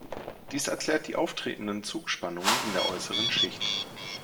Dies erklärt die auftretenden Zugspannungen in der äußeren Schicht.